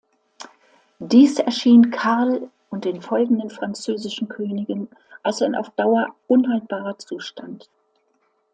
Dies erschien Karl und den folgenden französischen Königen als ein auf Dauer unhaltbarer Zustand.